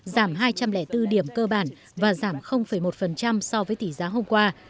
giảm hai trăm linh bốn điểm cơ bản và giảm một so với tỷ giá hôm qua